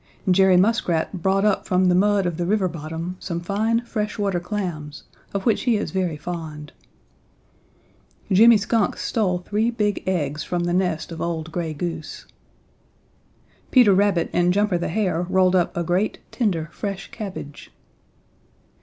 Jerry Muskrat brought up from the mud of the river bottom some fine fresh water clams, of which he is very fond. Jimmy Skunk stole three big eggs from the nest of old Gray Goose. Peter Rabbit and Jumper the Hare rolled up a great, tender, fresh cabbage.